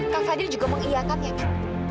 kak fadil juga mau iya kak mila